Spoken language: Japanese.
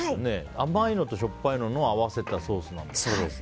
甘いのとしょっぱいのを合わせたソースなんですね。